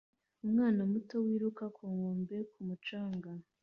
umwana muto wiruka ku nkombe ku mucanga